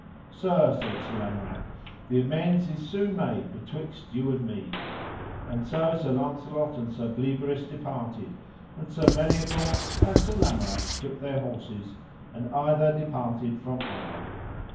Sir, said Sir Lamorak, the amends is soon made betwixt you and me. And so Sir Launcelot and Sir Bleoberis departed, and Sir Meliagaunce and Sir Lamorak took their horses, and either departed from other.